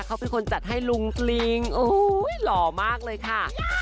เขาเป็นคนจัดให้ลุงสลิงหล่อมากเลยค่ะ